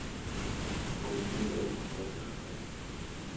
甚至無埋個家庭